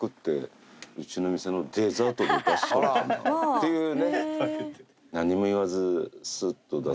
ていうね。